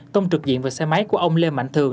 tông trực diện vào xe máy của ông lê mạnh thường